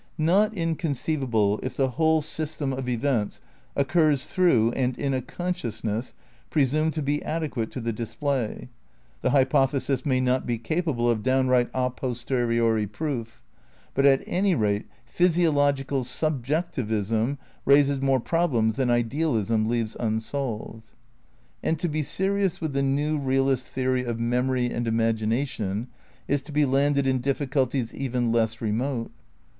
Not inconceivable if the whole system of events oc curs through and in a consciousness presumed to be adequate to the display. The hypothesis may not be capable of downright a posteriori proof. But at any rate physiological subjectivism raises more problems than idealism leaves unsolved. And to be serious with the new realist theory of mem ory and imagination is to be landed in difficulties even less remote.